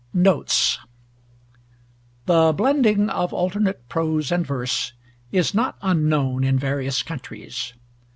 NOTES "THE BLENDING" of alternate prose and verse "is not unknown in various countries."